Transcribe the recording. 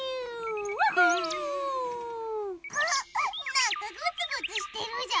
なんかゴツゴツしてるじゃり。